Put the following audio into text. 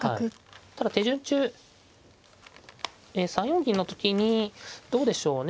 ただ手順中３四銀の時にどうでしょうね